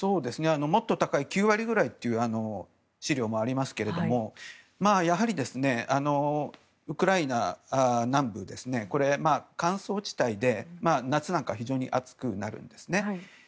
もっと高い９割くらいという資料もありますがやはり、ウクライナ南部は乾燥地帯で夏は非常に暑くなるんですね。